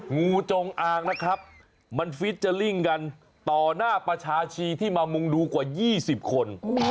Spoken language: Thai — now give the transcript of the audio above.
งูจงอางนะครับมันฟิเจอร์ลิ่งกันต่อหน้าประชาชีที่มามุงดูกว่า๒๐คน